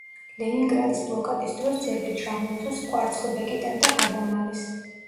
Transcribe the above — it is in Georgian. ლენინგრადის ბლოკადის დროს ძეგლი ჩამოიღეს კვარცხლბეკიდან და გადამალეს.